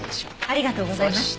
ありがとうございます。